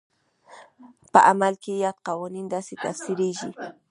په عمل کې یاد قوانین داسې تفسیرېږي.